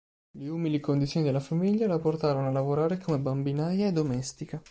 Le umili condizioni della famiglia la portarono a lavorare come bambinaia e domestica.